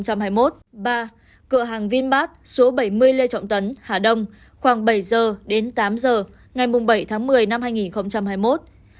ba cựa hàng vinbac số bảy mươi lê trọng tấn hà đông khoảng bảy h ba mươi phút